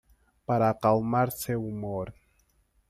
Para acalmar seu humor